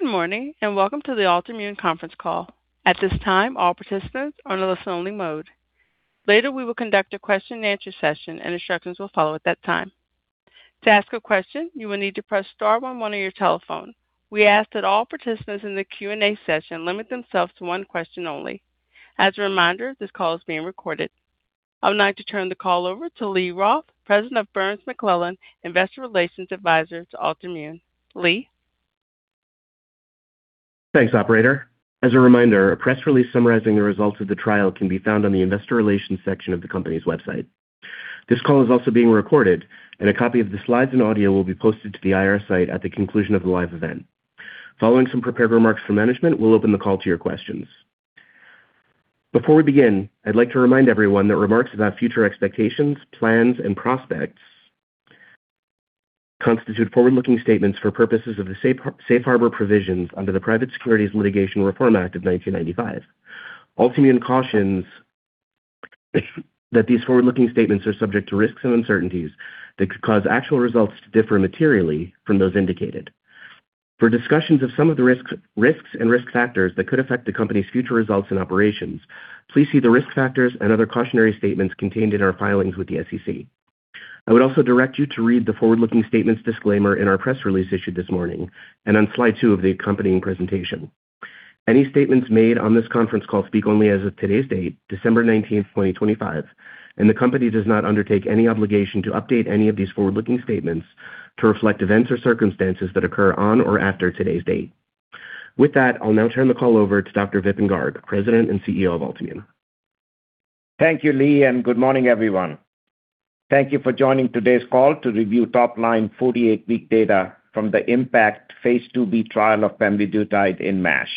Good morning and welcome to the Altimmune Conference Call. At this time, all participants are in a listen-only mode. Later, we will conduct a question-and-answer session, and instructions will follow at that time. To ask a question, you will need to press star on one of your telephones. We ask that all participants in the Q&A session limit themselves to one question only. As a reminder, this call is being recorded. I would like to turn the call over to Lee Roth, President of Burns McClellan Investor Relations Advisor to Altimmune. Lee. Thanks, Operator. As a reminder, a press release summarizing the results of the trial can be found on the Investor Relations section of the company's website. This call is also being recorded, and a copy of the slides and audio will be posted to the IR site at the conclusion of the live event. Following some prepared remarks from management, we'll open the call to your questions. Before we begin, I'd like to remind everyone that remarks about future expectations, plans, and prospects constitute forward-looking statements for purposes of the Safe Harbor Provisions under the Private Securities Litigation Reform Act of 1995. Altimmune cautions that these forward-looking statements are subject to risks and uncertainties that could cause actual results to differ materially from those indicated. For discussions of some of the risks and risk factors that could affect the company's future results and operations, please see the risk factors and other cautionary statements contained in our filings with the SEC. I would also direct you to read the forward-looking statements disclaimer in our press release issued this morning and on slide two of the accompanying presentation. Any statements made on this conference call speak only as of today's date, December 19th, 2025, and the company does not undertake any obligation to update any of these forward-looking statements to reflect events or circumstances that occur on or after today's date. With that, I'll now turn the call over to Dr. Vipin Garg, President and CEO of Altimmune. Thank you, Lee, and good morning, everyone. Thank you for joining today's call to review top-line 48-week data from the IMPACT phase 2b trial of Pembvdutide in MASH.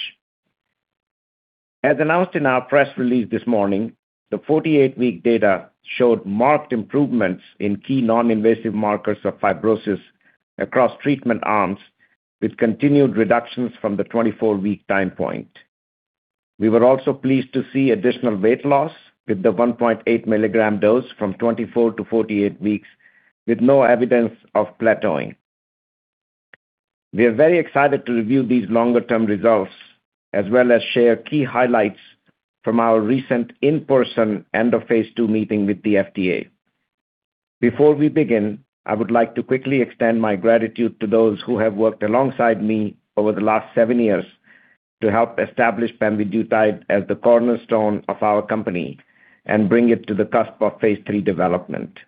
As announced in our press release this morning, the 48-week data showed marked improvements in key non-invasive markers of fibrosis across treatment arms, with continued reductions from the 24-week time point. We were also pleased to see additional weight loss with the 1.8-milligram dose from 24 to 48 weeks, with no evidence of plateauing. We are very excited to review these longer-term results, as well as share key highlights from our recent in-person end-of-phase 2 meeting with the FDA. Before we begin, I would like to quickly extend my gratitude to those who have worked alongside me over the last seven years to help establish Pemvidutide as the cornerstone of our company and bring it to the cusp of Phase 3 development.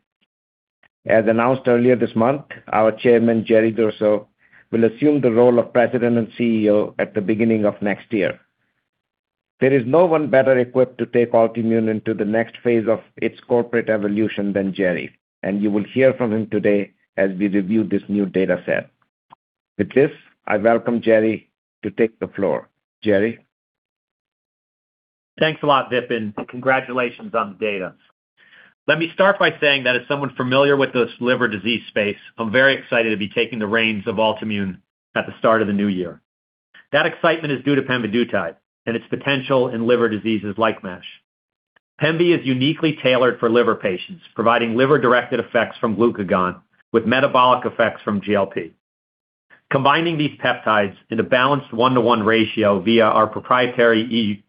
As announced earlier this month, our Chairman, Jerry Durso, will assume the role of President and CEO at the beginning of next year. There is no one better equipped to take Altimmune into the next phase of its corporate evolution than Jerry, and you will hear from him today as we review this new data set. With this, I welcome Jerry to take the floor. Jerry. Thanks a lot, Vipin. Congratulations on the data. Let me start by saying that as someone familiar with the liver disease space, I'm very excited to be taking the reins of Altimmune at the start of the new year. That excitement is due to Pemvidutide and its potential in liver diseases like MASH. Pembi is uniquely tailored for liver patients, providing liver-directed effects from glucagon with metabolic effects from GLP. Combining these peptides in a balanced one-to-one ratio via our proprietary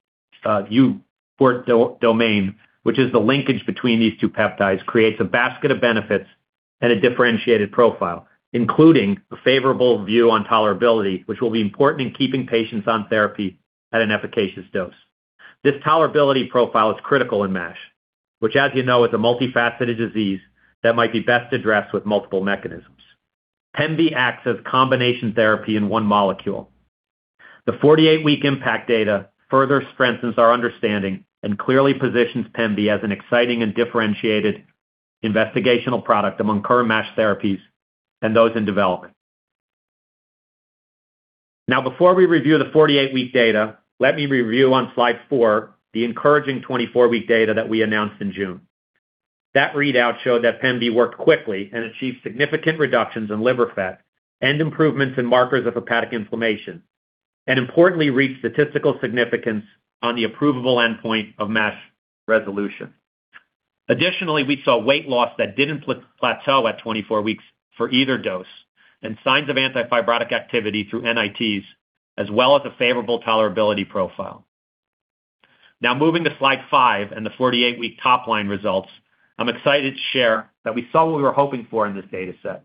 EuPort domain, which is the linkage between these two peptides, creates a basket of benefits and a differentiated profile, including a favorable view on tolerability, which will be important in keeping patients on therapy at an efficacious dose. This tolerability profile is critical in MASH, which, as you know, is a multifaceted disease that might be best addressed with multiple mechanisms. Pembi acts as combination therapy in one molecule. The 48-week IMPACT data further strengthens our understanding and clearly positions Pembi as an exciting and differentiated investigational product among current MASH therapies and those in development. Now, before we review the 48-week data, let me review on slide four the encouraging 24-week data that we announced in June. That readout showed that Pembi worked quickly and achieved significant reductions in liver fat and improvements in markers of hepatic inflammation, and importantly, reached statistical significance on the approvable endpoint of MASH resolution. Additionally, we saw weight loss that didn't plateau at 24 weeks for either dose and signs of anti-fibrotic activity through NITs, as well as a favorable tolerability profile. Now, moving to slide five and the 48-week top-line results, I'm excited to share that we saw what we were hoping for in this data set.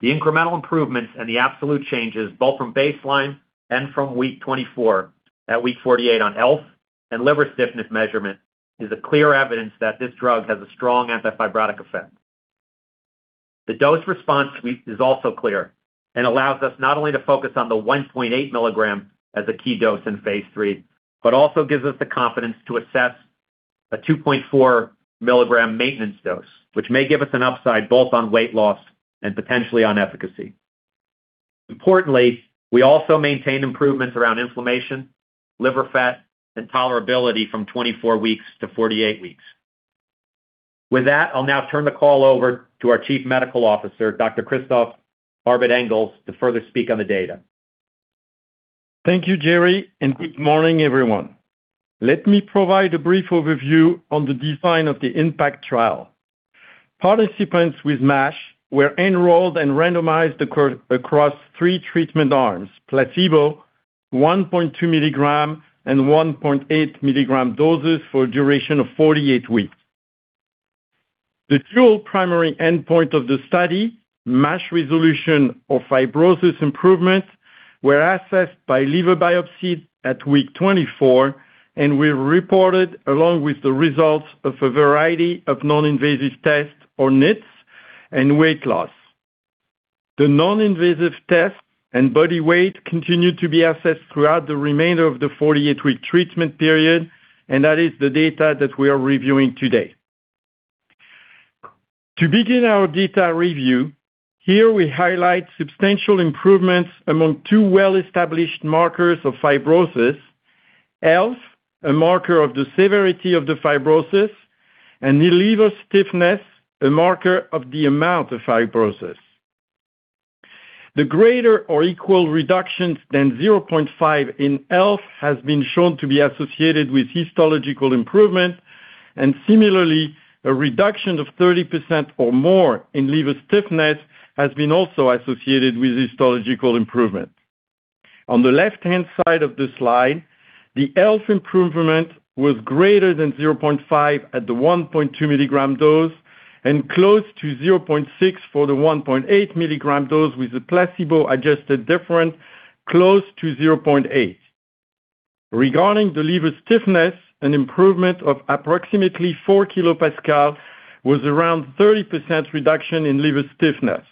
The incremental improvements and the absolute changes, both from baseline and from week 24 at week 48 on ELF and liver stiffness measurement, are clear evidence that this drug has a strong anti-fibrotic effect. The dose response is also clear and allows us not only to focus on the 1.8 milligram as a key dose in phase 3, but also gives us the confidence to assess a 2.4 milligram maintenance dose, which may give us an upside both on weight loss and potentially on efficacy. Importantly, we also maintained improvements around inflammation, liver fat, and tolerability from 24 weeks to 48 weeks. With that, I'll now turn the call over to our Chief Medical Officer, Dr. Christophe Arbet-Engels, to further speak on the data. Thank you, Greg, and good morning, everyone. Let me provide a brief overview on the design of the IMPACT trial. Participants with MASH were enrolled and randomized across three treatment arms: placebo, 1.2-milligram, and 1.8-milligram doses for a duration of 48 weeks. The dual primary endpoint of the study, MASH resolution or fibrosis improvement, was assessed by liver biopsy at week 24 and was reported along with the results of a variety of non-invasive tests, or NITs, and weight loss. The non-invasive tests and body weight continued to be assessed throughout the remainder of the 48-week treatment period, and that is the data that we are reviewing today. To begin our data review, here we highlight substantial improvements among two well-established markers of fibrosis: ELF, a marker of the severity of the fibrosis, and liver stiffness, a marker of the amount of fibrosis. The greater or equal reductions than 0.5 in ELF have been shown to be associated with histological improvement, and similarly, a reduction of 30% or more in liver stiffness has been also associated with histological improvement. On the left-hand side of the slide, the ELF improvement was greater than 0.5 at the 1.2 milligram dose and close to 0.6 for the 1.8 milligram dose with the placebo-adjusted difference close to 0.8. Regarding the liver stiffness, an improvement of approximately 4 kilopascals was around a 30% reduction in liver stiffness.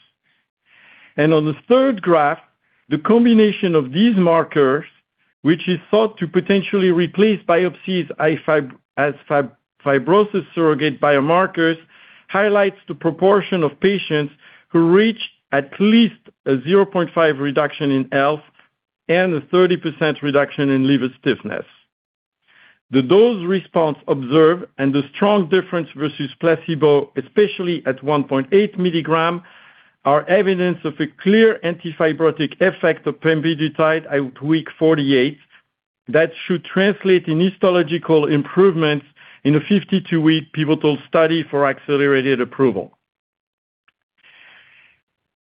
And on the third graph, the combination of these markers, which is thought to potentially replace biopsies as fibrosis surrogate biomarkers, highlights the proportion of patients who reached at least a 0.5 reduction in ELF and a 30% reduction in liver stiffness. The dose response observed and the strong difference versus placebo, especially at 1.8-milligram, are evidence of a clear anti-fibrotic effect of Pemvidutide at week 48 that should translate in histological improvements in a 52-week pivotal study for accelerated approval.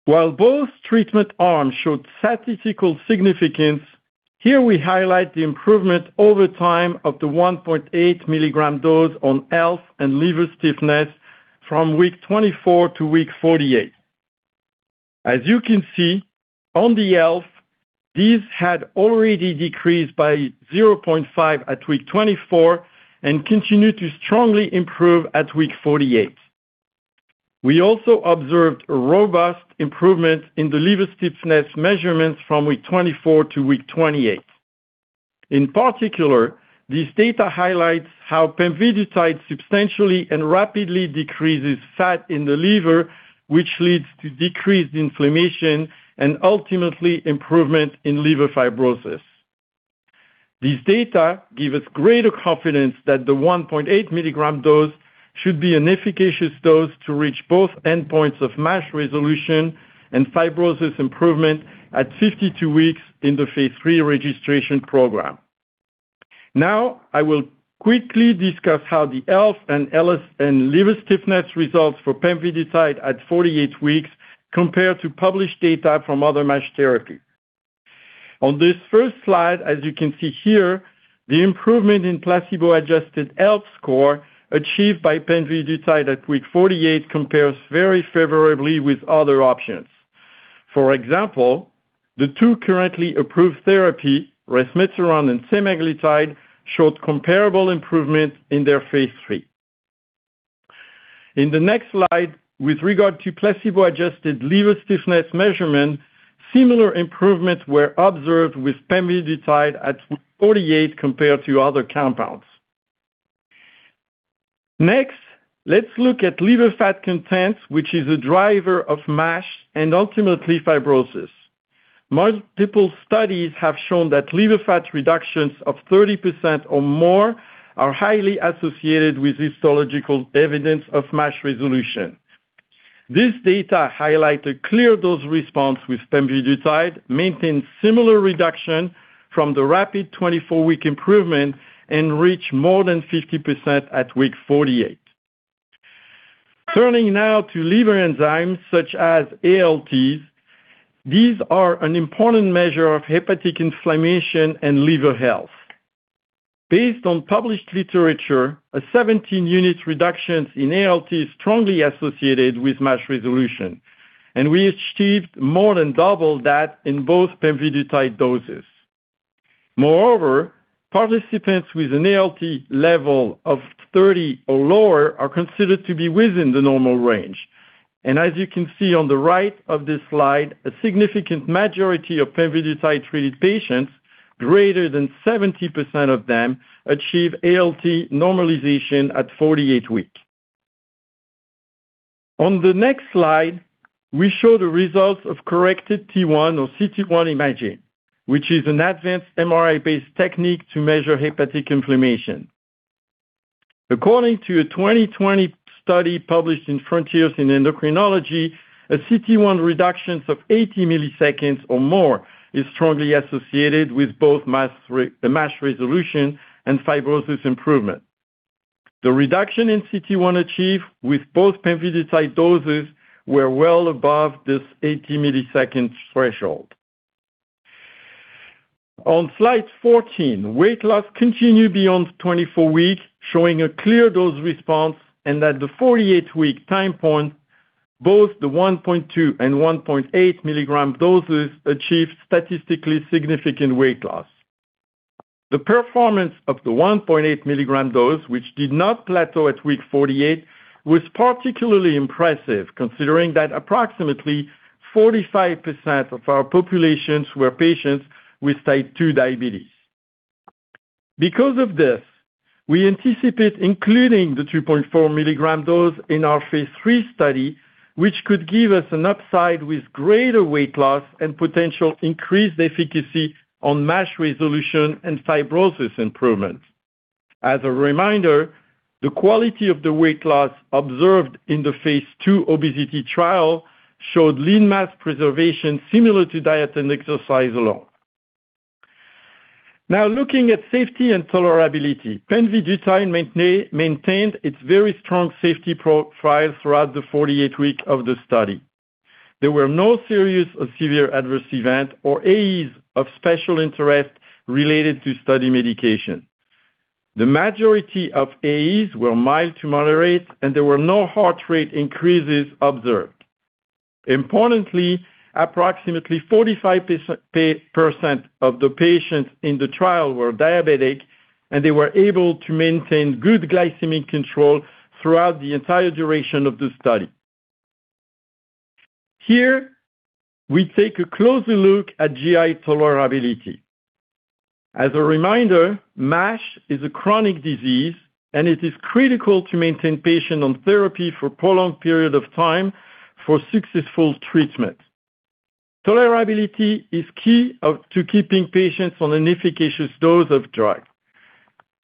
While both treatment arms showed statistical significance, here we highlight the improvement over time of the 1.8-milligram dose on ELF and liver stiffness from week 24 to week 48. As you can see, on the ELF, these had already decreased by 0.5 at week 24 and continued to strongly improve at week 48. We also observed a robust improvement in the liver stiffness measurements from week 24 to week 28. In particular, these data highlight how Pemvidutide substantially and rapidly decreases fat in the liver, which leads to decreased inflammation and ultimately improvement in liver fibrosis. These data give us greater confidence that the 1.8-milligram dose should be an efficacious dose to reach both endpoints of MASH resolution and fibrosis improvement at 52 weeks in the phase 3 registration program. Now, I will quickly discuss how the ELF and liver stiffness results for Pembidutide at 48 weeks compare to published data from other MASH therapies. On this first slide, as you can see here, the improvement in placebo-adjusted ELF score achieved by Pembidutide at week 48 compares very favorably with other options. For example, the two currently approved therapies, Resmetirom and Semaglutide, showed comparable improvement in their phase 3. In the next slide, with regard to placebo-adjusted liver stiffness measurement, similar improvements were observed with Pembidutide at 48 compared to other compounds. Next, let's look at liver fat content, which is a driver of MASH and ultimately fibrosis. Multiple studies have shown that liver fat reductions of 30% or more are highly associated with histological evidence of MASH resolution. This data highlights a clear dose response with Pembidutide, maintained similar reduction from the rapid 24-week improvement, and reached more than 50% at week 48. Turning now to liver enzymes such as ALTs, these are an important measure of hepatic inflammation and liver health. Based on published literature, a 17-unit reduction in ALT is strongly associated with MASH resolution, and we achieved more than double that in both Pembidutide doses. Moreover, participants with an ALT level of 30 or lower are considered to be within the normal range. And as you can see on the right of this slide, a significant majority of Pembidutide-treated patients, greater than 70% of them, achieve ALT normalization at 48 weeks. On the next slide, we show the results of corrected T1 or cT1 imaging, which is an advanced MRI-based technique to measure hepatic inflammation. According to a 2020 study published in Frontiers in Endocrinology, a cT1 reduction of 80 milliseconds or more is strongly associated with both MASH resolution and fibrosis improvement. The reduction in cT1 achieved with both Pembidutide doses was well above this 80-millisecond threshold. On slide 14, weight loss continued beyond 24 weeks, showing a clear dose response and at the 48-week time point, both the 1.2 and 1.8-milligram doses achieved statistically significant weight loss. The performance of the 1.8-milligram dose, which did not plateau at week 48, was particularly impressive, considering that approximately 45% of our population were patients with type 2 diabetes. Because of this, we anticipate including the 2.4-milligram dose in our phase 3 study, which could give us an upside with greater weight loss and potential increased efficacy on MASH resolution and fibrosis improvement. As a reminder, the quality of the weight loss observed in the phase 2 obesity trial showed lean mass preservation similar to diet and exercise alone. Now, looking at safety and tolerability, Pembidutide maintained its very strong safety profile throughout the 48 weeks of the study. There were no serious or severe adverse events or AEs of special interest related to study medication. The majority of AEs were mild to moderate, and there were no heart rate increases observed. Importantly, approximately 45% of the patients in the trial were diabetic, and they were able to maintain good glycemic control throughout the entire duration of the study. Here, we take a closer look at GI tolerability. As a reminder, MASH is a chronic disease, and it is critical to maintain patients on therapy for a prolonged period of time for successful treatment. Tolerability is key to keeping patients on an efficacious dose of drug.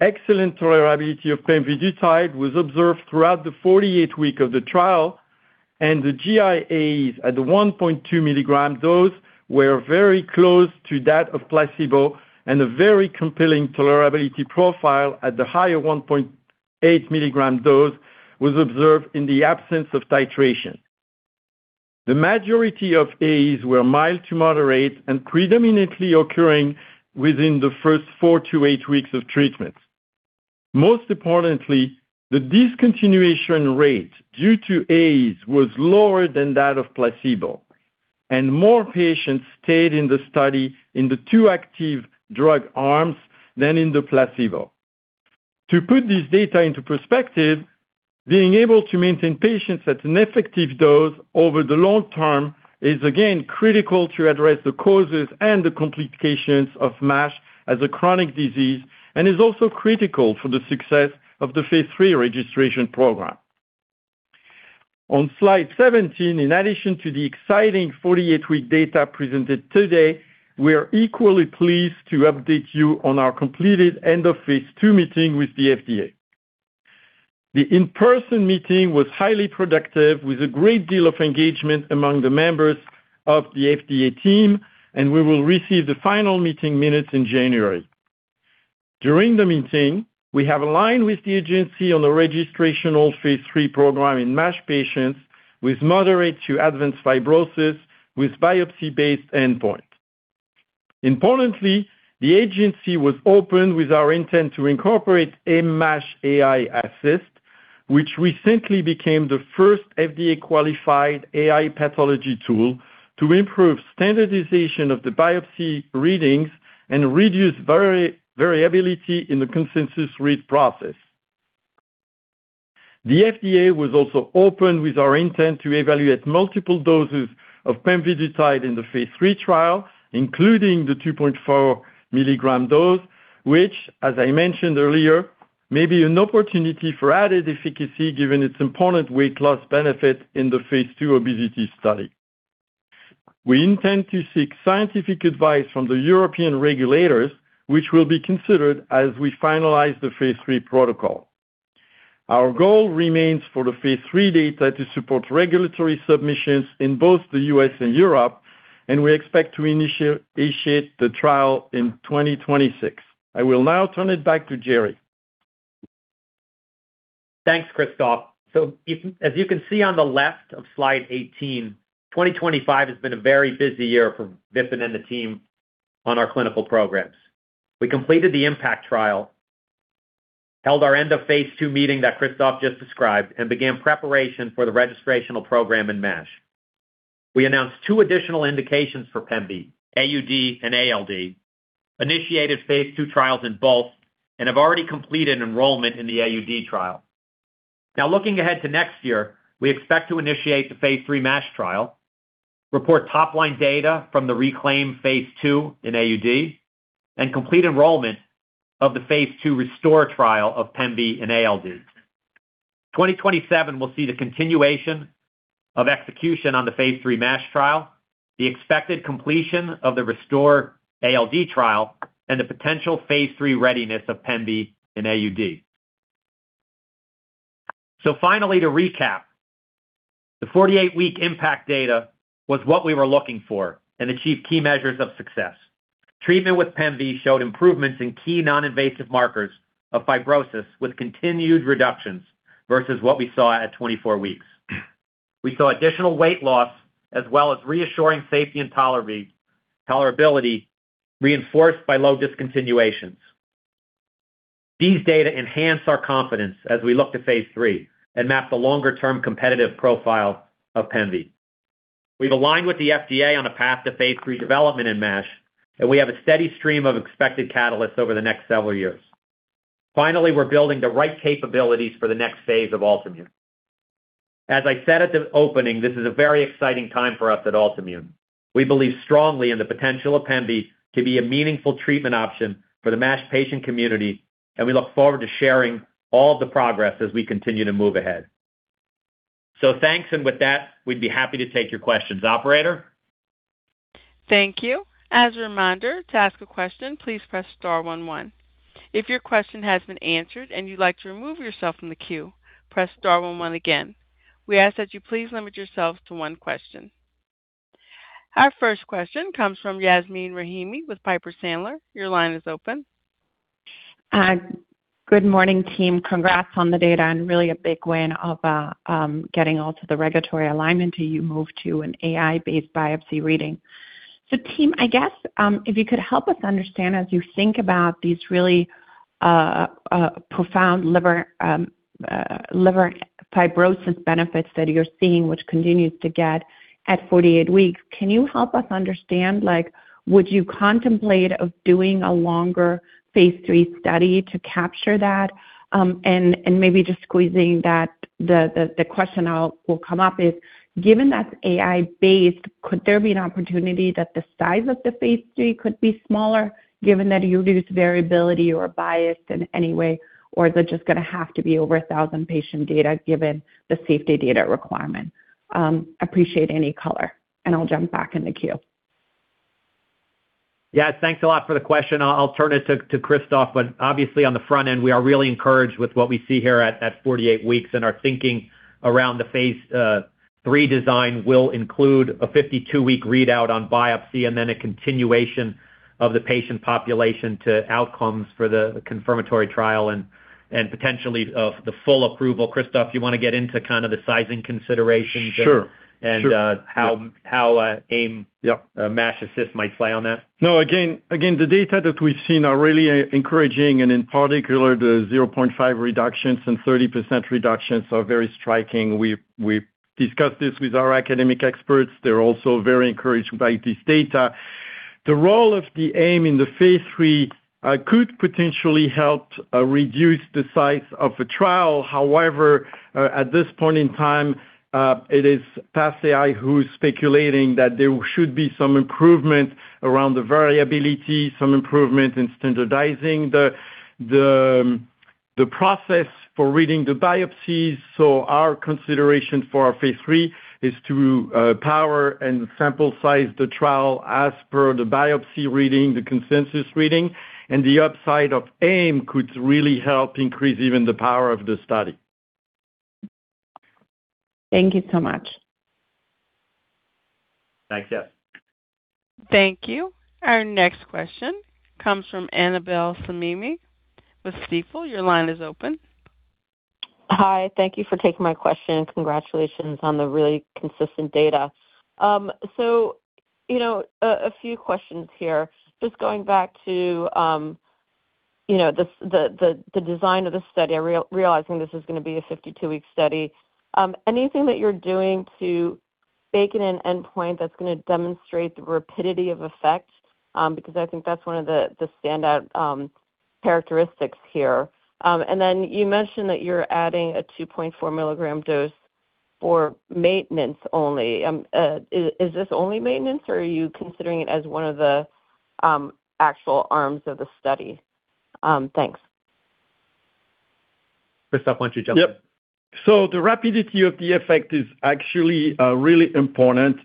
Excellent tolerability of pemvidutide was observed throughout the 48 weeks of the trial, and the GI AEs at the 1.2 milligram dose were very close to that of placebo, and a very compelling tolerability profile at the higher 1.8 milligram dose was observed in the absence of titration. The majority of AEs were mild to moderate and predominantly occurring within the first four to eight weeks of treatment. Most importantly, the discontinuation rate due to AEs was lower than that of placebo, and more patients stayed in the study in the two active drug arms than in the placebo. To put these data into perspective, being able to maintain patients at an effective dose over the long term is, again, critical to address the causes and the complications of MASH as a chronic disease and is also critical for the success of the phase 3 registration program. On slide 17, in addition to the exciting 48-week data presented today, we are equally pleased to update you on our completed end-of-phase 2 meeting with the FDA. The in-person meeting was highly productive, with a great deal of engagement among the members of the FDA team, and we will receive the final meeting minutes in January. During the meeting, we have aligned with the agency on the registration of the phase 3 program in MASH patients with moderate to advanced fibrosis with biopsy-based endpoint. Importantly, the agency was open with our intent to incorporate AIM-MASH, which recently became the first FDA-qualified AI pathology tool to improve standardization of the biopsy readings and reduce variability in the consensus read process. The FDA was also open with our intent to evaluate multiple doses of pemvidutide in the phase 3 trial, including the 2.4 milligram dose, which, as I mentioned earlier, may be an opportunity for added efficacy given its important weight loss benefit in the phase 2 obesity study. We intend to seek scientific advice from the European regulators, which will be considered as we finalize the phase 3 protocol. Our goal remains for the phase 3 data to support regulatory submissions in both the U.S. and Europe, and we expect to initiate the trial in 2026. I will now turn it back to Greg. Thanks, Christophe. So, as you can see on the left of slide 18, 2025 has been a very busy year for Vipin and the team on our clinical programs. We completed the IMPACT trial, held our end-of-phase 2 meeting that Christophe just described, and began preparation for the registration program in MASH. We announced two additional indications for Pembi, AUD and ALD, initiated phase 2 trials in both, and have already completed enrollment in the AUD trial. Now, looking ahead to next year, we expect to initiate the phase 3 MASH trial, report top-line data from the RECLAIM phase 2 in AUD, and complete enrollment of the phase 2 RESTORE trial of Pembi and ALD. 2027 will see the continuation of execution on the phase 3 MASH trial, the expected completion of the RESTORE ALD trial, and the potential phase 3 readiness of Pembi and AUD. Finally, to recap, the 48-week IMPACT data was what we were looking for and achieved key measures of success. Treatment with Pembi showed improvements in key non-invasive markers of fibrosis with continued reductions versus what we saw at 24 weeks. We saw additional weight loss as well as reassuring safety and tolerability reinforced by low discontinuations. These data enhance our confidence as we look to phase 3 and map the longer-term competitive profile of Pembi. We've aligned with the FDA on a path to phase 3 development in MASH, and we have a steady stream of expected catalysts over the next several years. Finally, we're building the right capabilities for the next phase of Altimmune. As I said at the opening, this is a very exciting time for us at Altimmune. We believe strongly in the potential of pemvidutide to be a meaningful treatment option for the MASH patient community, and we look forward to sharing all of the progress as we continue to move ahead. So, thanks, and with that, we'd be happy to take your questions, Operator. Thank you. As a reminder, to ask a question, please press *11. If your question has been answered and you'd like to remove yourself from the queue, press *11 again. We ask that you please limit yourself to one question. Our first question comes from Yasmeen Rahimi with Piper Sandler. Your line is open. Good morning, team. Congrats on the data, and really a big win of getting all to the regulatory alignment to move to an AI-based biopsy reading. So, team, I guess if you could help us understand as you think about these really profound liver fibrosis benefits that you're seeing, which continues to get at 48 weeks, can you help us understand, would you contemplate doing a longer phase 3 study to capture that? And maybe just squeezing that the question will come up is, given that's AI-based, could there be an opportunity that the size of the phase 3 could be smaller, given that you reduce variability or bias in any way, or is it just going to have to be over 1,000 patient data given the safety data requirement? Appreciate any color, and I'll jump back in the queue. Yes, thanks a lot for the question. I'll turn it to Christophe. But obviously, on the front end, we are really encouraged with what we see here at 48 weeks, and our thinking around the phase 3 design will include a 52-week readout on biopsy and then a continuation of the patient population to outcomes for the confirmatory trial and potentially the full approval. Christophe, do you want to get into kind of the sizing considerations? Sure. And how AIM-MASH might play on that? No, again, the data that we've seen are really encouraging, and in particular, the 0.5 reductions and 30% reductions are very striking. We've discussed this with our academic experts. They're also very encouraged by this data. The role of the AIM-MASH in the phase 3 could potentially help reduce the size of the trial. However, at this point in time, it is PathAI that's speculating that there should be some improvement around the variability, some improvement in standardizing the process for reading the biopsies. So, our consideration for our phase 3 is to power and sample size the trial as per the biopsy reading, the consensus reading, and the upside of AIM could really help increase even the power of the study. Thank you so much. Thanks, yes. Thank you. Our next question comes from Annabel Samimy with Stifel. Your line is open. Hi, thank you for taking my question. Congratulations on the really consistent data. So, you know, a few questions here. Just going back to the design of the study, realizing this is going to be a 52-week study, anything that you're doing to bake in an endpoint that's going to demonstrate the rapidity of effect? Because I think that's one of the standout characteristics here. And then you mentioned that you're adding a 2.4 milligram dose for maintenance only. Is this only maintenance, or are you considering it as one of the actual arms of the study? Thanks. Christophe, why don't you jump in? Yep. So, the rapidity of the effect is actually really important.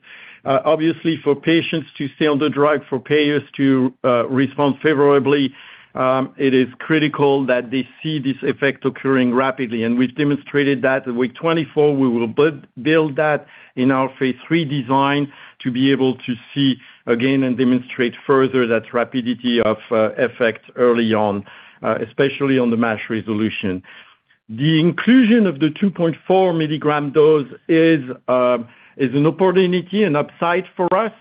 Obviously, for patients to stay on the drug, for payers to respond favorably, it is critical that they see this effect occurring rapidly. And we've demonstrated that. At week 24, we will build that in our phase 3 design to be able to see again and demonstrate further that rapidity of effect early on, especially on the MASH resolution. The inclusion of the 2.4 milligram dose is an opportunity, an upside for us.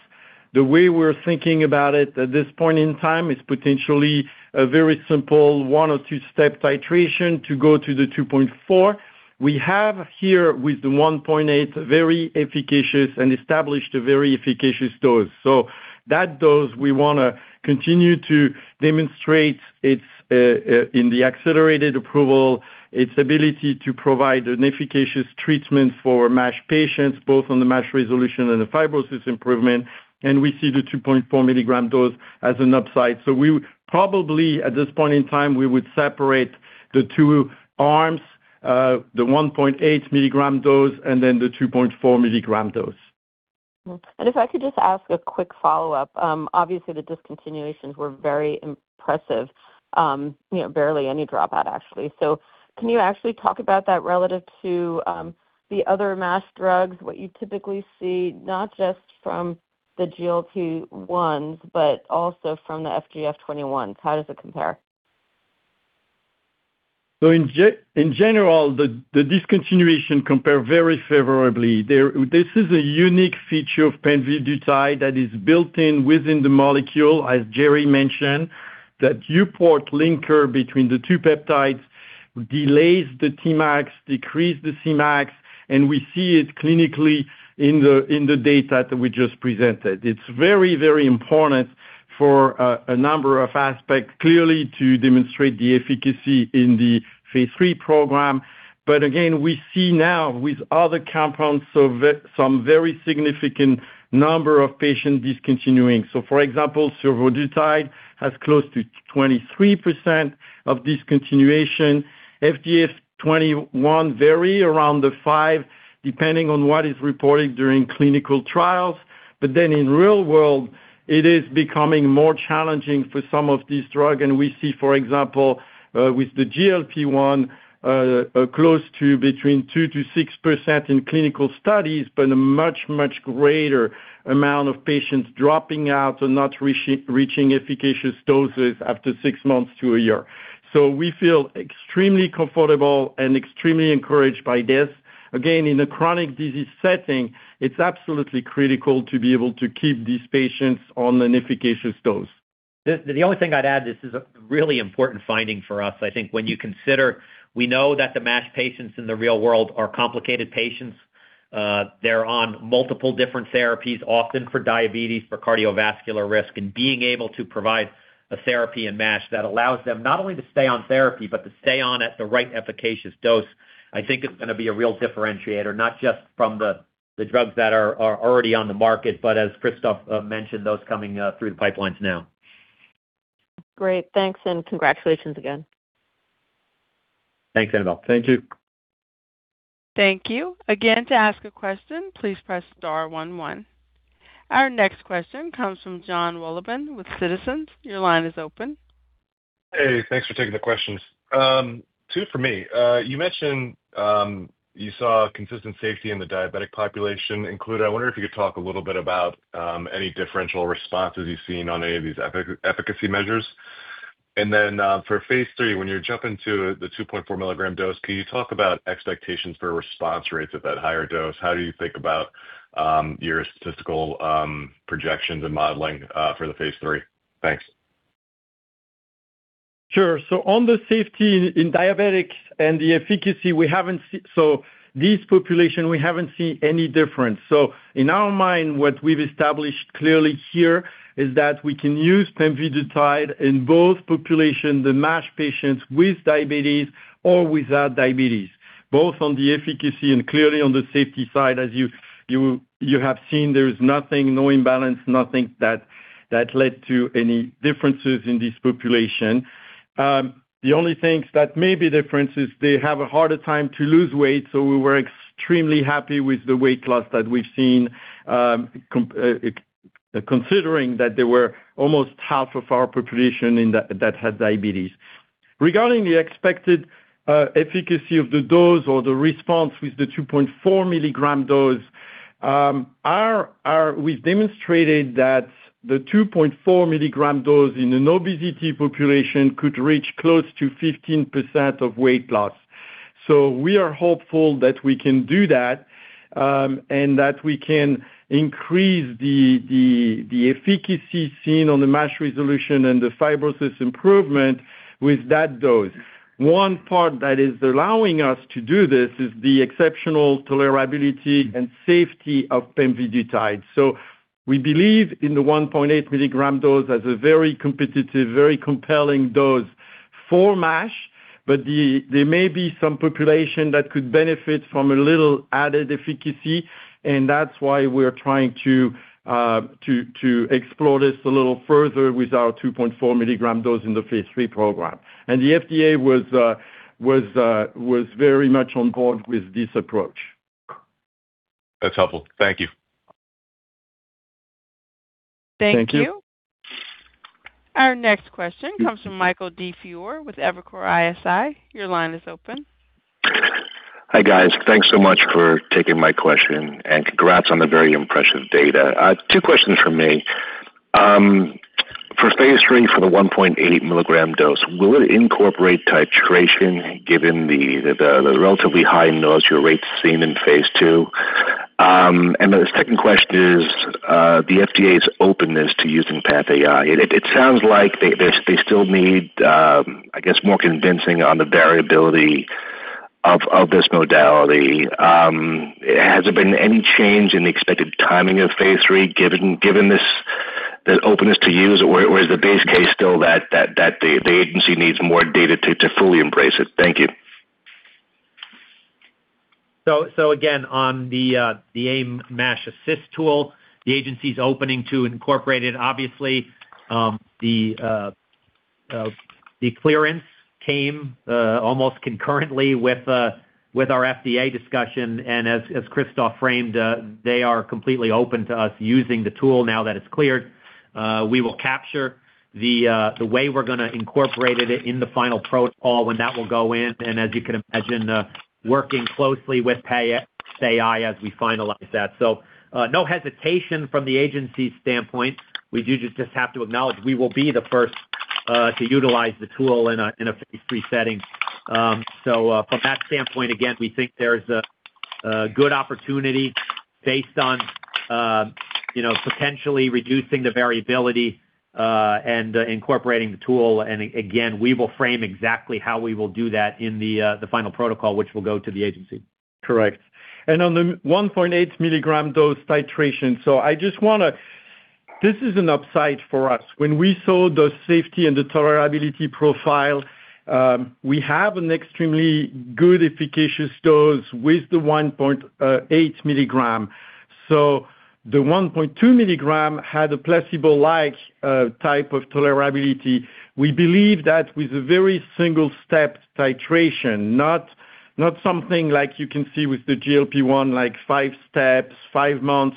The way we're thinking about it at this point in time is potentially a very simple one or two-step titration to go to the 2.4. We have here with the 1.8 very efficacious and established a very efficacious dose. So, that dose, we want to continue to demonstrate in the accelerated approval its ability to provide an efficacious treatment for MASH patients, both on the MASH resolution and the fibrosis improvement. And we see the 2.4-milligram dose as an upside. So, we probably at this point in time, we would separate the two arms, the 1.8-milligram dose and then the 2.4-milligram dose. And if I could just ask a quick follow-up, obviously the discontinuations were very impressive, barely any dropout actually. So, can you actually talk about that relative to the other MASH drugs, what you typically see, not just from the GLP-1s, but also from the FGF21s? How does it compare? So, in general, the discontinuation compared very favorably. This is a unique feature of pembidutide that is built in within the molecule, as Greg mentioned, that EuPort linker between the two peptides, delays the Tmax, decreases the Cmax, and we see it clinically in the data that we just presented. It's very, very important for a number of aspects clearly to demonstrate the efficacy in the phase 3 program. But again, we see now with other compounds some very significant number of patients discontinuing. So, for example, Survodutide has close to 23% of discontinuation. FGF21 vary around the 5%, depending on what is reported during clinical trials. But then in real world, it is becoming more challenging for some of these drugs. We see, for example, with the GLP-1, close to between 2%-6% in clinical studies, but a much, much greater amount of patients dropping out and not reaching efficacious doses after six months to a year. We feel extremely comfortable and extremely encouraged by this. Again, in a chronic disease setting, it's absolutely critical to be able to keep these patients on an efficacious dose. The only thing I'd add, this is a really important finding for us, I think, when you consider we know that the MASH patients in the real world are complicated patients. They're on multiple different therapies, often for diabetes, for cardiovascular risk, and being able to provide a therapy in MASH that allows them not only to stay on therapy, but to stay on at the right efficacious dose. I think it's going to be a real differentiator, not just from the drugs that are already on the market, but as Christophe mentioned, those coming through the pipelines now. Great. Thanks, and congratulations again. Thanks, Annabel. Thank you. Thank you. Again, to ask a question, please press *11. Our next question comes from Jonathan Wolleben with JMP Securities. Your line is open. Hey, thanks for taking the questions. Two for me. You mentioned you saw consistent safety in the diabetic population. I wonder if you could talk a little bit about any differential responses you've seen on any of these efficacy measures. And then for phase 3, when you're jumping to the 2.4 milligram dose, can you talk about expectations for response rates at that higher dose? How do you think about your statistical projections and modeling for the phase 3? Thanks. Sure. So, on the safety in diabetics and the efficacy, we haven't seen, so this population, we haven't seen any difference. So, in our mind, what we've established clearly here is that we can use pemvidutide in both populations, the MASH patients with diabetes or without diabetes, both on the efficacy and clearly on the safety side. As you have seen, there is nothing, no imbalance, nothing that led to any differences in this population. The only things that may be difference is they have a harder time to lose weight. We were extremely happy with the weight loss that we've seen, considering that there were almost half of our population that had diabetes. Regarding the expected efficacy of the dose or the response with the 2.4-milligram dose, we've demonstrated that the 2.4-milligram dose in an obesity population could reach close to 15% of weight loss. We are hopeful that we can do that and that we can increase the efficacy seen on the MASH resolution and the fibrosis improvement with that dose. One part that is allowing us to do this is the exceptional tolerability and safety of pemvidutide. So, we believe in the 1.8-milligram dose as a very competitive, very compelling dose for MASH, but there may be some population that could benefit from a little added efficacy, and that's why we're trying to explore this a little further with our 2.4-milligram dose in the phase 3 program. And the FDA was very much on board with this approach. That's helpful. Thank you. Thank you. Thank you. Our next question comes from Michael DiFiore with Evercore ISI. Your line is open. Hi, guys. Thanks so much for taking my question, and congrats on the very impressive data. Two questions for me. For phase 3, for the 1.8-milligram dose, will it incorporate titration given the relatively high nausea rates seen in phase 2? And the second question is the FDA's openness to using PathAI. It sounds like they still need, I guess, more convincing on the variability of this modality. Has there been any change in the expected timing of phase 3 given this openness to use, or is the base case still that the agency needs more data to fully embrace it? Thank you. So, again, on the AIM-MASH tool, the agency's openness to incorporate it. Obviously, the clearance came almost concurrently with our FDA discussion. And as Christophe framed, they are completely open to us using the tool now that it's cleared. We will capture the way we're going to incorporate it in the final protocol when that will go in, and as you can imagine, working closely with PathAI as we finalize that. So, no hesitation from the agency's standpoint. We do just have to acknowledge we will be the first to utilize the tool in a phase 3 setting. So, from that standpoint, again, we think there's a good opportunity based on potentially reducing the variability and incorporating the tool. And again, we will frame exactly how we will do that in the final protocol, which will go to the agency. Correct. And on the 1.8-milligram dose titration, so I just want to, this is an upside for us. When we saw the safety and the tolerability profile, we have an extremely good efficacious dose with the 1.8-milligram. So, the 1.2-milligram had a placebo-like type of tolerability. We believe that with a very single-step titration, not something like you can see with the GLP-1, like five steps, five months,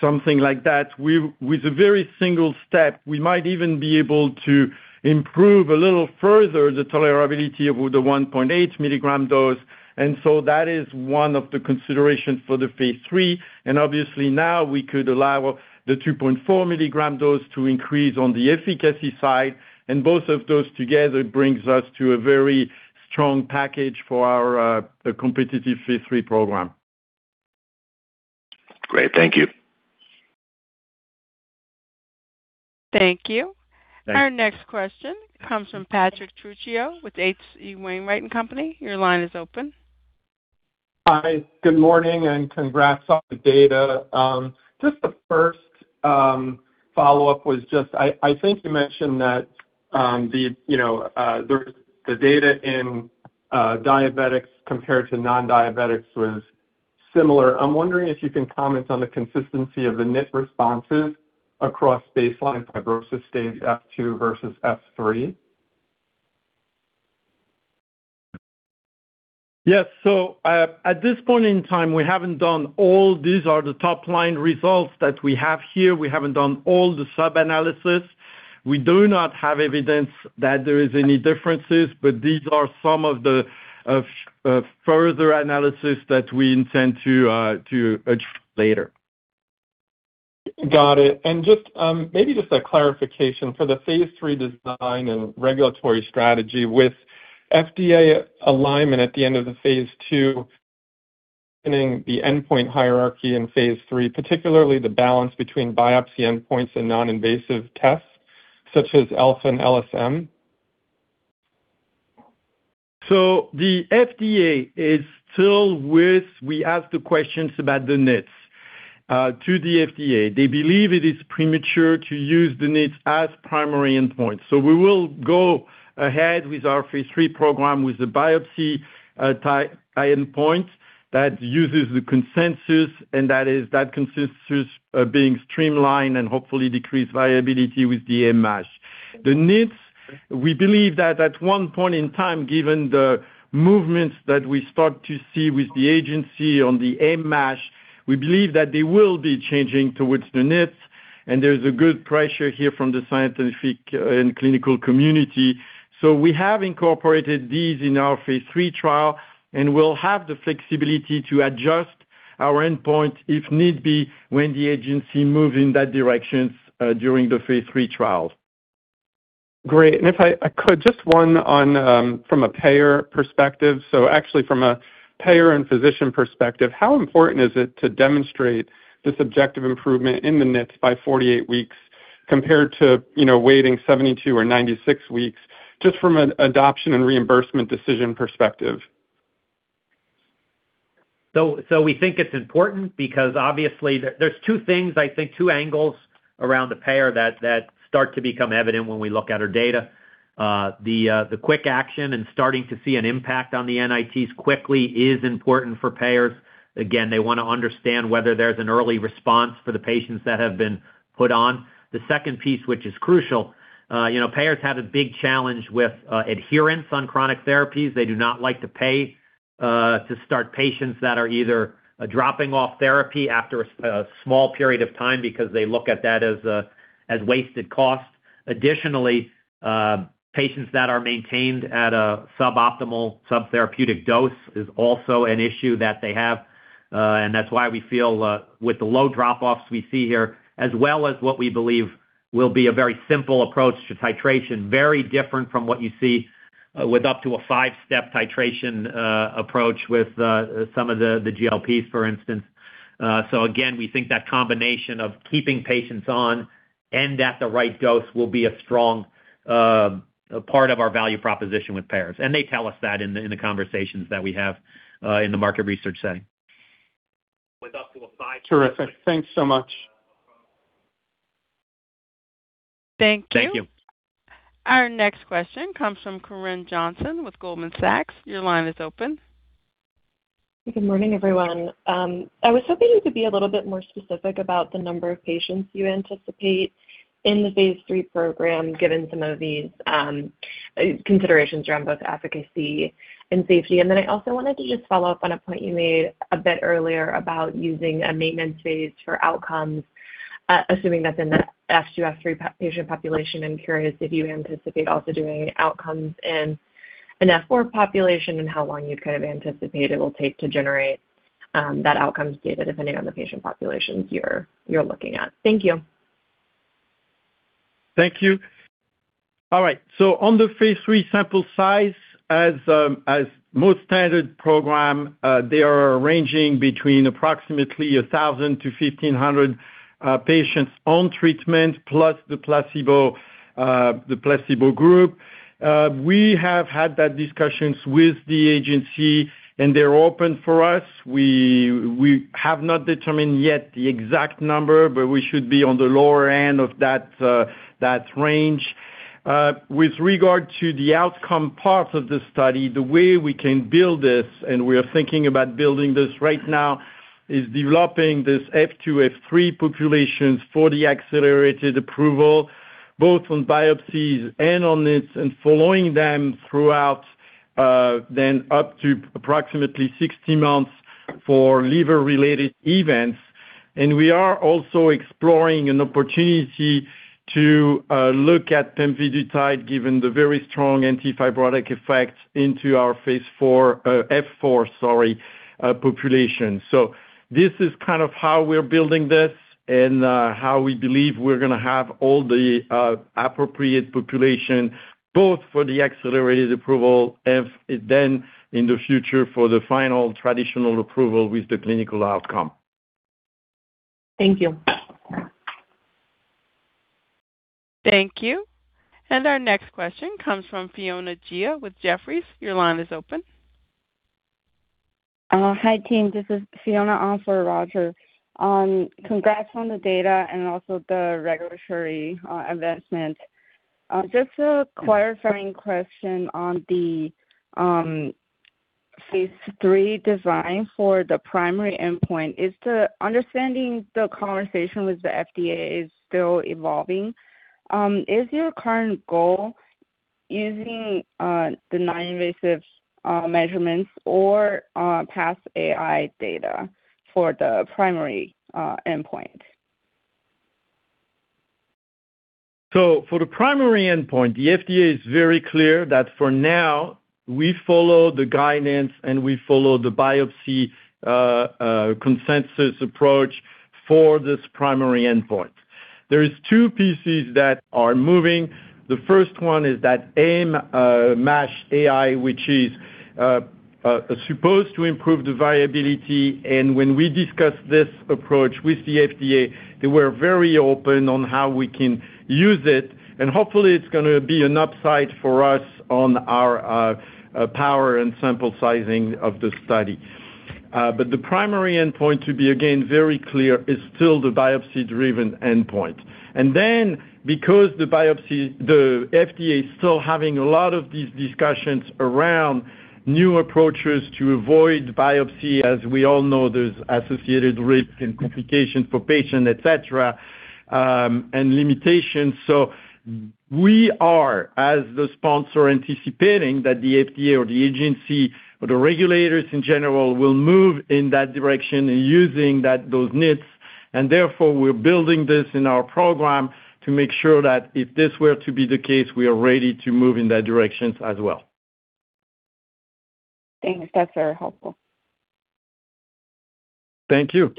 something like that. With a very simple step, we might even be able to improve a little further the tolerability of the 1.8-milligram dose. And so, that is one of the considerations for the phase 3. And obviously, now we could allow the 2.4-milligram dose to increase on the efficacy side. And both of those together brings us to a very strong package for our competitive phase 3 program. Great. Thank you. Thank you. Thank you. Our next question comes from Patrick Trucchio with H.C. Wainwright & Co. Your line is open. Hi. Good morning, and congrats on the data. Just the first follow-up was just I think you mentioned that the data in diabetics compared to non-diabetics was similar. I'm wondering if you can comment on the consistency of the NIT responses across baseline fibrosis stage F2 versus F3. Yes. So, at this point in time, we haven't done all, these are the top-line results that we have here. We haven't done all the sub-analysis. We do not have evidence that there are any differences, but these are some of the further analysis that we intend to address later. Got it. And maybe just a clarification for the phase 3 design and regulatory strategy with FDA alignment at the end of the phase 2, the endpoint hierarchy in phase 3, particularly the balance between biopsy endpoints and non-invasive tests such as ELF and LSM. So, the FDA is still with, we ask the questions about the NITs to the FDA. They believe it is premature to use the NITs as primary endpoint. So, we will go ahead with our phase 3 program with the biopsy endpoint that uses the consensus, and that consensus is being streamlined and hopefully decreased variability with the AIM-MASH. The NITs, we believe that at one point in time, given the movements that we start to see with the agency on the AIM-MASH, we believe that they will be changing towards the NITs, and there's a good pressure here from the scientific and clinical community. So, we have incorporated these in our phase 3 trial, and we'll have the flexibility to adjust our endpoint if need be when the agency moves in that direction during the phase 3 trial. Great. And if I could, just one from a payer perspective. So, actually, from a payer and physician perspective, how important is it to demonstrate this objective improvement in the NITs by 48 weeks compared to waiting 72 or 96 weeks, just from an adoption and reimbursement decision perspective? So, we think it's important because obviously there's two things, I think two angles around the payer that start to become evident when we look at our data. The quick action and starting to see an impact on the NITs quickly is important for payers. Again, they want to understand whether there's an early response for the patients that have been put on. The second piece, which is crucial, payers have a big challenge with adherence on chronic therapies. They do not like to pay to start patients that are either dropping off therapy after a small period of time because they look at that as wasted cost. Additionally, patients that are maintained at a sub-optimal, sub-therapeutic dose is also an issue that they have. And that's why we feel with the low drop-offs we see here, as well as what we believe will be a very simple approach to titration, very different from what you see with up to a five-step titration approach with some of the GLPs, for instance. So, again, we think that combination of keeping patients on and at the right dose will be a strong part of our value proposition with payers. And they tell us that in the conversations that we have in the market research setting. With up to a five-step titration. Terrific. Thanks so much. Thank you. Thank you. Our next question comes from Corinne Jenkins with Goldman Sachs. Your line is open. Good morning, everyone. I was hoping you could be a little bit more specific about the number of patients you anticipate in the phase 3 program, given some of these considerations around both efficacy and safety. And then I also wanted to just follow up on a point you made a bit earlier about using a maintenance phase for outcomes, assuming that's in the F2, F3 patient population. I'm curious if you anticipate also doing outcomes in an F4 population and how long you kind of anticipate it will take to generate that outcomes data depending on the patient populations you're looking at. Thank you. Thank you. All right. So, on the phase 3 sample size, as most standard programs, they are ranging between approximately 1,000 to 1,500 patients on treatment, plus the placebo group. We have had that discussion with the agency, and they're open for us. We have not determined yet the exact number, but we should be on the lower end of that range. With regard to the outcome part of the study, the way we can build this, and we are thinking about building this right now, is developing this F2, F3 populations for the accelerated approval, both on biopsies and on NITs, and following them throughout then up to approximately 60 months for liver-related events. We are also exploring an opportunity to look at pemvidutide, given the very strong anti-fibrotic effects, into our phase 4, F4, sorry, population. So, this is kind of how we're building this and how we believe we're going to have all the appropriate population, both for the accelerated approval and then in the future for the final traditional approval with the clinical outcome. Thank you. Thank you. Our next question comes from Fiona Gia with Jefferies. Your line is open. Hi, team. This is Fiona, also for Roger. Congrats on the data and also the regulatory investment. Just a clarifying question on the phase 3 design for the primary endpoint. Understanding the conversation with the FDA is still evolving. Is your current goal using the non-invasive measurements or PathAI data for the primary endpoint? For the primary endpoint, the FDA is very clear that for now, we follow the guidance and we follow the biopsy consensus approach for this primary endpoint. There are two pieces that are moving. The first one is that AIM-MASH AI, which is supposed to improve the variability. When we discussed this approach with the FDA, they were very open on how we can use it. And hopefully, it's going to be an upside for us on our power and sample sizing of the study. But the primary endpoint, to be again very clear, is still the biopsy-driven endpoint. And then, because the FDA is still having a lot of these discussions around new approaches to avoid biopsy, as we all know, there's associated risk and complications for patients, etc., and limitations. So, we are, as the sponsor, anticipating that the FDA or the agency or the regulators in general will move in that direction using those NITs. And therefore, we're building this in our program to make sure that if this were to be the case, we are ready to move in that direction as well. Thanks. That's very helpful. Thank you.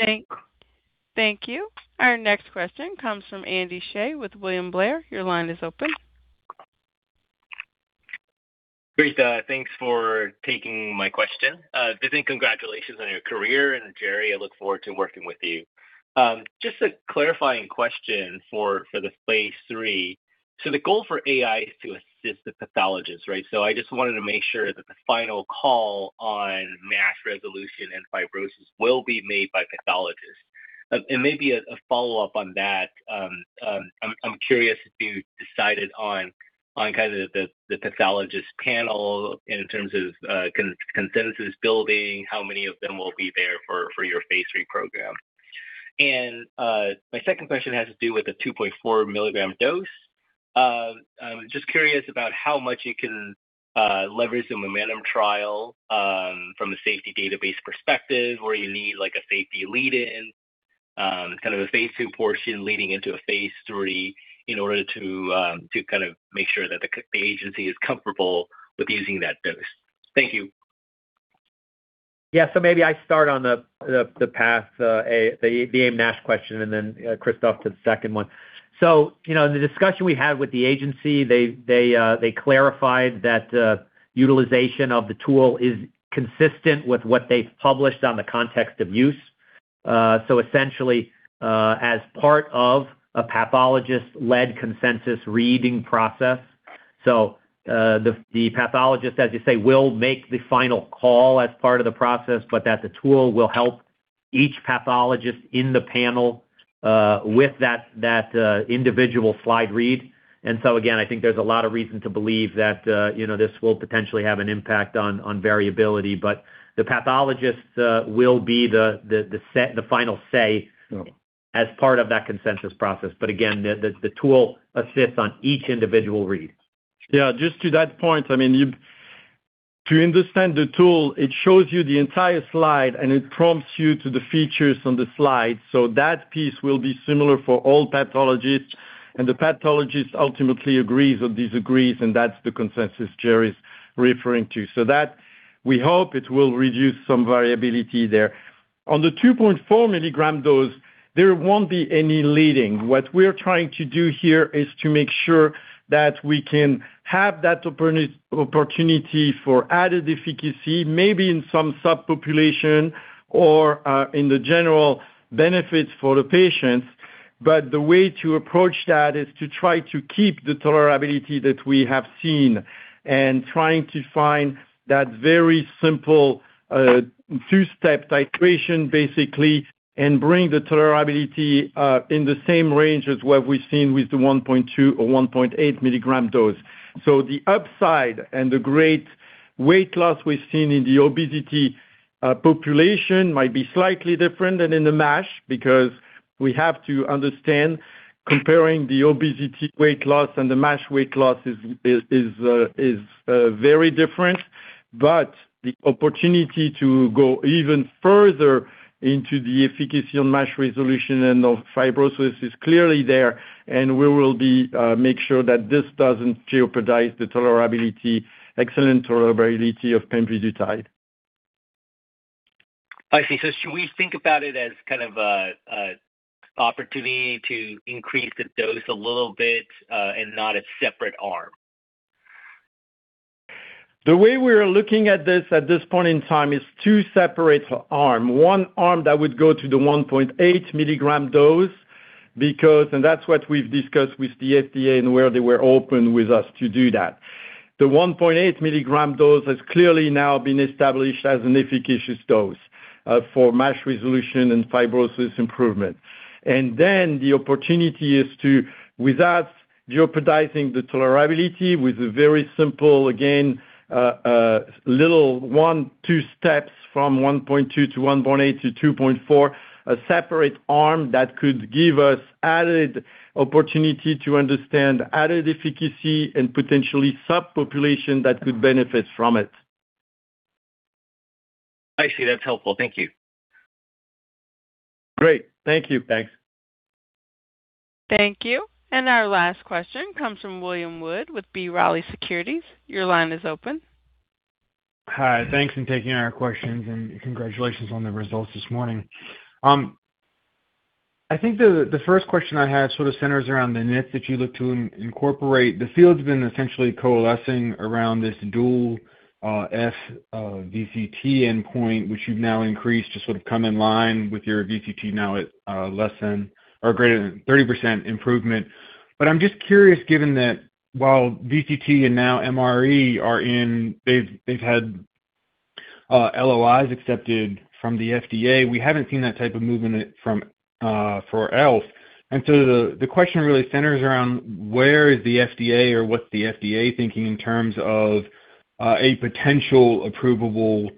Thank you. Our next question comes from Andy Hsieh with William Blair. Your line is open. Great. Thanks for taking my question. Vivian, congratulations on your career. And Greg, I look forward to working with you. Just a clarifying question for the phase 3. So, the goal for AI is to assist the pathologists, right? So, I just wanted to make sure that the final call on MASH resolution and fibrosis will be made by pathologists. And maybe a follow-up on that, I'm curious if you decided on kind of the pathologist panel in terms of consensus building, how many of them will be there for your phase 3 program. And my second question has to do with the 2.4-milligram dose. I'm just curious about how much you can leverage the momentum trial from the safety database perspective, where you need a safety lead-in, kind of a phase 2 portion leading into a phase 3, in order to kind of make sure that the agency is comfortable with using that dose. Thank you. Yeah. So, maybe I start on the AIM-MASH question and then Christophe to the second one. So, in the discussion we had with the agency, they clarified that utilization of the tool is consistent with what they've published on the context of use. So, essentially, as part of a pathologist-led consensus reading process. So, the pathologist, as you say, will make the final call as part of the process, but that the tool will help each pathologist in the panel with that individual slide read. And so, again, I think there's a lot of reason to believe that this will potentially have an impact on variability. But the pathologist will be the final say as part of that consensus process. But again, the tool assists on each individual read. Yeah. Just to that point, I mean, to understand the tool, it shows you the entire slide, and it prompts you to the features on the slide. So, that piece will be similar for all pathologists, and the pathologist ultimately agrees or disagrees, and that's the consensus Greg is referring to, so we hope it will reduce some variability there. On the 2.4-milligram dose, there won't be any lead-in. What we're trying to do here is to make sure that we can have that opportunity for added efficacy, maybe in some subpopulation or in the general benefits for the patients, but the way to approach that is to try to keep the tolerability that we have seen and trying to find that very simple two-step titration, basically, and bring the tolerability in the same range as what we've seen with the 1.2 or 1.8-milligram dose. The upside and the great weight loss we've seen in the obesity population might be slightly different than in the MASH because we have to understand comparing the obesity weight loss and the MASH weight loss is very different. The opportunity to go even further into the efficacy on MASH resolution and on fibrosis is clearly there. We will make sure that this doesn't jeopardize the excellent tolerability of pemvidutide. I see. Should we think about it as kind of an opportunity to increase the dose a little bit and not a separate arm? The way we are looking at this at this point in time is two separate arms. One arm that would go to the 1.8 milligram dose because—and that's what we've discussed with the FDA and where they were open with us to do that. The 1.8-milligram dose has clearly now been established as an efficacious dose for MASH resolution and fibrosis improvement. And then the opportunity is to, without jeopardizing the tolerability, with a very simple, again, little one or two steps from 1.2 to 1.8 to 2.4, a separate arm that could give us added opportunity to understand added efficacy and potentially subpopulation that could benefit from it. I see. That's helpful. Thank you. Great. Thank you. Thanks. Thank you. And our last question comes from William Wood with B. Riley Securities. Your line is open. Hi. Thanks for taking our questions. And congratulations on the results this morning. I think the first question I have sort of centers around the NITs that you look to incorporate. The field's been essentially coalescing around this dual F-VCTE endpoint, which you've now increased to sort of come in line with your VCT now at less than or greater than 30% improvement. But I'm just curious, given that while VCT and now MRE are in, they've had LOIs accepted from the FDA, we haven't seen that type of movement for ELF. And so, the question really centers around where is the FDA or what's the FDA thinking in terms of a potential approvable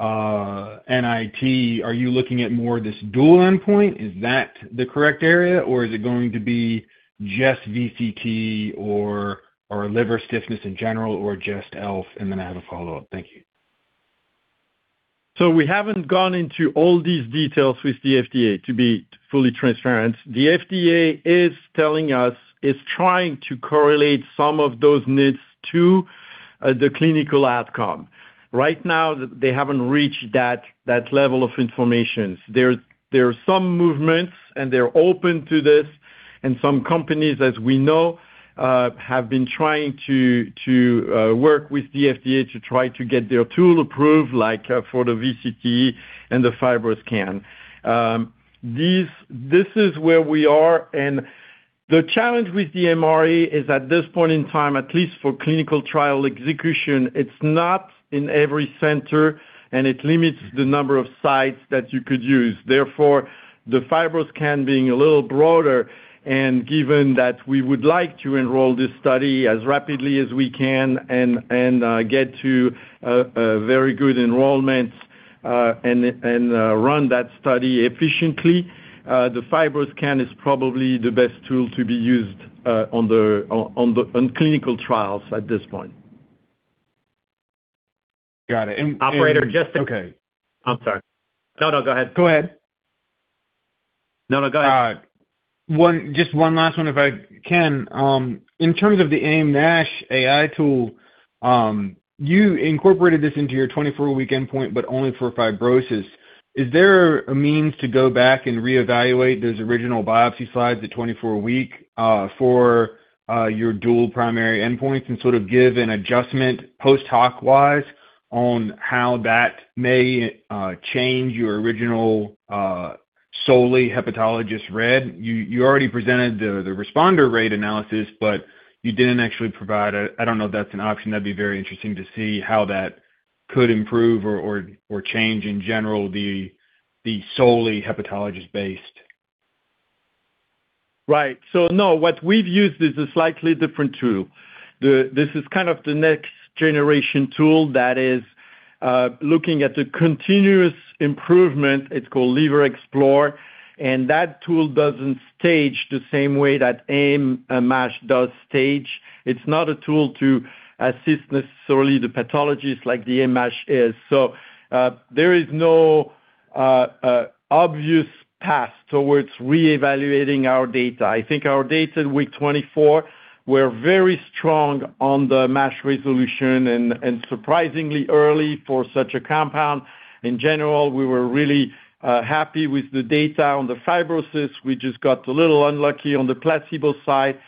NIT? Are you looking at more this dual endpoint? Is that the correct area? Or is it going to be just VCT or liver stiffness in general or just ELF? And then I have a follow-up. Thank you. So, we haven't gone into all these details with the FDA, to be fully transparent. The FDA is telling us it's trying to correlate some of those NITs to the clinical outcome. Right now, they haven't reached that level of information. There are some movements, and they're open to this, and some companies, as we know, have been trying to work with the FDA to try to get their tool approved, like for the VCTE and the FibroScan. This is where we are, and the challenge with the MRE is, at this point in time, at least for clinical trial execution, it's not in every center, and it limits the number of sites that you could use. Therefore, the FibroScan being a little broader, and given that we would like to enroll this study as rapidly as we can and get to very good enrollment and run that study efficiently, the FibroScan is probably the best tool to be used on clinical trials at this point. Got it. And operator, just to—okay. I'm sorry. Go ahead. Just one last one, if I can. In terms of the AIM-MASH AI tool, you incorporated this into your 24-week endpoint, but only for fibrosis. Is there a means to go back and reevaluate those original biopsy slides at 24 weeks for your dual primary endpoints and sort of give an adjustment post-hoc wise on how that may change your original solely hepatologist read? You already presented the responder rate analysis, but you didn't actually provide. I don't know if that's an option. That'd be very interesting to see how that could improve or change in general the solely hepatologist-based. Right. So, no, what we've used is a slightly different tool. This is kind of the next generation tool that is looking at the continuous improvement. It's called LiverExplore. And that tool doesn't stage the same way that AIM-MASH does stage. It's not a tool to assist necessarily the pathologists like the AIM-MASH is. So, there is no obvious path towards reevaluating our data. I think our data in week 24 were very strong on the MASH resolution and surprisingly early for such a compound. In general, we were really happy with the data on the fibrosis. We just got a little unlucky on the placebo side.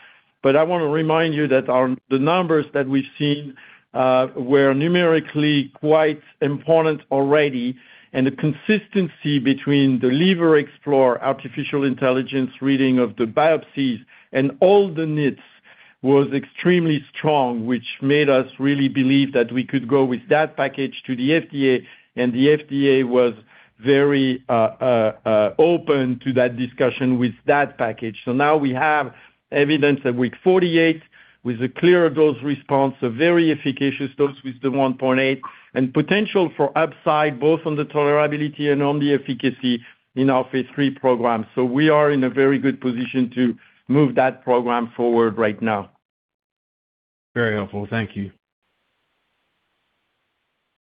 But I want to remind you that the numbers that we've seen were numerically quite important already. And the consistency between the LiverExplore artificial intelligence reading of the biopsies and all the NITs was extremely strong, which made us really believe that we could go with that package to the FDA. And the FDA was very open to that discussion with that package. So, now we have evidence at week 48 with a clear dose response, a very efficacious dose with the 1.8, and potential for upside both on the tolerability and on the efficacy in our phase 3 program. So, we are in a very good position to move that program forward right now. Very helpful. Thank you.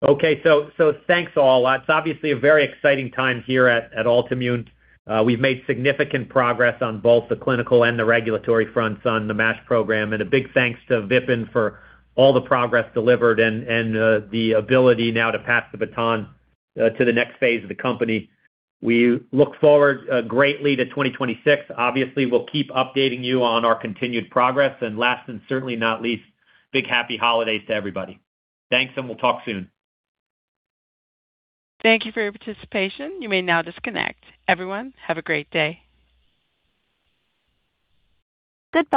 Okay. So, thanks all. It's obviously a very exciting time here at Altimmune. We've made significant progress on both the clinical and the regulatory fronts on the MASH program. And a big thanks to Vipin for all the progress delivered and the ability now to pass the baton to the next phase of the company. We look forward greatly to 2026. Obviously, we'll keep updating you on our continued progress. And last and certainly not least, big happy holidays to everybody. Thanks, and we'll talk soon. Thank you for your participation. You may now disconnect. Everyone, have a great day. Good.